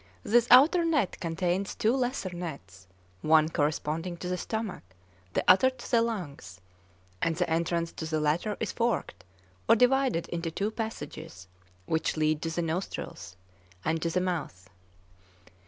This outer net contains two lesser nets, one corresponding to the stomach, the other to the lungs; and the entrance to the latter is forked or divided into two passages which lead to the nostrils and to the mouth.